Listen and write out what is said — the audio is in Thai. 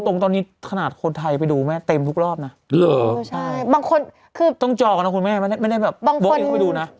ก็ตรงตอนนี้ขนาดคนไทยไปดูเต็มทุกรอบนะบางคนต้องจองนะคุณแม่ไม่ได้บอกอีกคนไปดูนะ